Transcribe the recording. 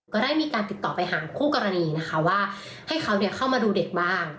ก็ได้มีการติดต่อไปหาคู่กรณีนะคะว่าให้เขาเข้ามาดูเด็กบ้าง